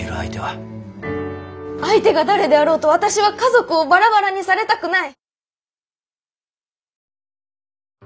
相手が誰であろうと私は家族をバラバラにされたくない。